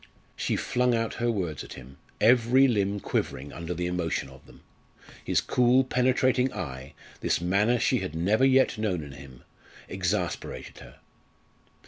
She flung out her words at him, every limb quivering under the emotion of them. His cool, penetrating eye, this manner she had never yet known in him, exasperated her.